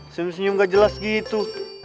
senyum senyum gak jelas gitu